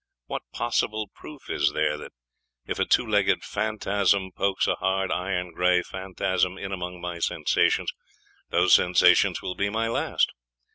What possible proof is there that if a two legged phantasm pokes a hard iron gray phantasm in among my sensations, those sensations will be my last?